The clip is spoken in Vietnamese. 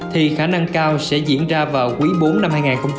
thì khả năng cao sẽ diễn ra vào quý bốn năm hai nghìn hai mươi